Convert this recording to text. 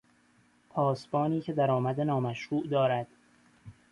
پاسبانی که درآمد نامشروع دارد